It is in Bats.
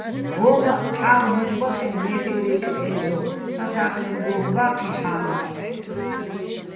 ვო́მაჸ ცჰ̦ა́ღ ჩუ ბახეჼ მეფ ერეჲკლ ე́ზო, სასახლენ გოგბა́ჴიჼ ჰ̦ამივაჸ.